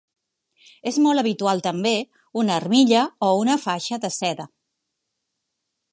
És molt habitual també una armilla o una faixa de seda.